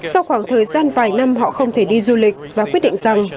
sau khoảng thời gian vài năm họ không thể đi du lịch và quyết định rằng